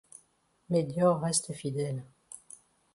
Mais Dior reste fidèle.